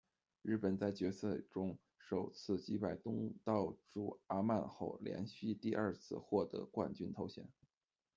日本在决赛中首次击败东道主阿曼后，连续第二次获得冠军头衔。